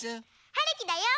はるきだよ。